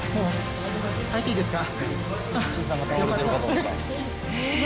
入っていいですか？